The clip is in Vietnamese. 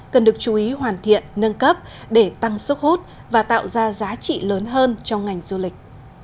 cần được chú ý hoàn thiện nâng cấp để tăng sức hút và tạo ra giá trị lớn hơn cho ngành du lịch